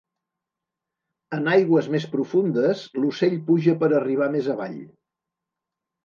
En aigües més profundes, l'ocell puja per arribar més avall.